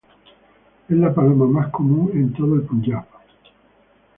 Es la paloma más común en todo el Punyab.